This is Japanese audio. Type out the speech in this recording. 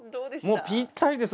もうぴったりです！